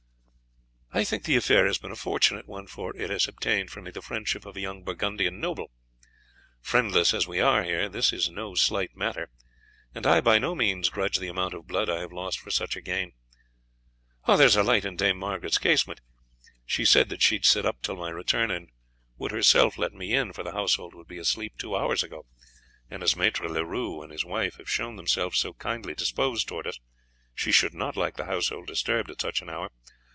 "I think the affair has been a fortunate one, for it has obtained for me the friendship of a young Burgundian noble. Friendless as we are here, this is no slight matter, and I by no means grudge the amount of blood I have lost for such a gain. There is a light in Dame Margaret's casement; she said that she should sit up till my return, and would herself let me in, for the household would be asleep two hours ago; and as Maître Leroux and his wife have shown themselves so kindly disposed towards us, she should not like the household disturbed at such an hour.